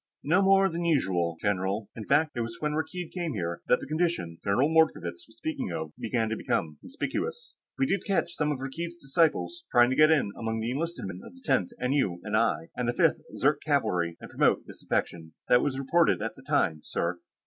"No more than usual, general. In fact, it was when Rakkeed came here that the condition General Mordkovitz was speaking of began to become conspicuous. We did catch some of Rakkeed's disciples trying to get in among the enlisted men of the Tenth N.U.N.I. and the Fifth Zirk Cavalry and promote disaffection. That was reported at the time, sir."